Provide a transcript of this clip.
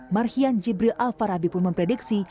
marhian jibril alfarabi pun memprediksi